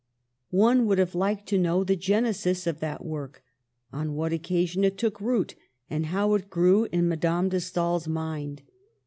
One would have liked to know the genesis of that work, on what occasion it took root, and how it grew, in Madame de Stael's mind.